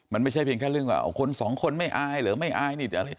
มันไม่ใช่เพียงแค่เรื่องว่าสองคนไม่อายหรือไม่อาย